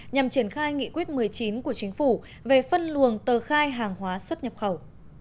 nhằm triển khai nghị quyết một mươi chín của chính phủ về phân luồng tờ khai hàng hóa xuất nhập khẩu